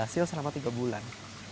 basil selama tiga bulan